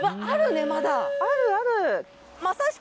あるある。